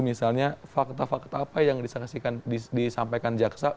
misalnya fakta fakta apa yang disampaikan jaksa